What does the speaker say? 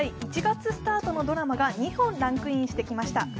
１月スタートのドラマが２本ランクインしてきました。